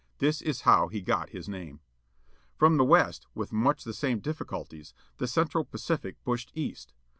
This is how he got his name. From the west, with much the same difficulties, the Central Pacific pushed east.